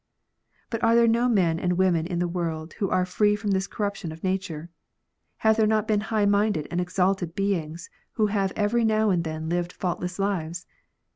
But are there no men and women in the world who are free from this corruption of nature ? Have there not been high minded and exalted beings who have every now and then lived faultless lives